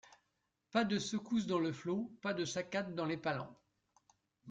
Pas de secousse dans le flot, pas de saccade dans les palans.